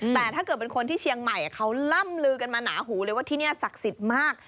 แต่ถ้าเกิดเป็นคนที่เชียงใหม่เขาล่ำลือกันมาหนาหูเลยว่าที่นี่ศักดิ์สิทธิ์มาก